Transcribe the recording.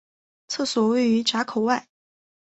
厕所位于闸口外。